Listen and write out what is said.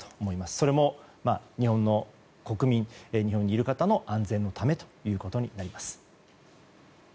それも、日本の国民日本にいる方の安全のためとなります。